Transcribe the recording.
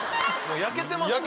焼けてますもんね。